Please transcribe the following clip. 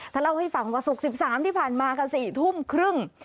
เล่าให้ฟังว่าศุกร์๑๓ที่ผ่านมาค่ะ๔ทุ่มครึ่ง